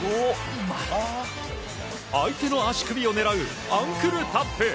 相手の足首を狙うアンクルタップ！